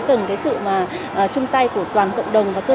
dùng cái sự chung tay của toàn cộng đồng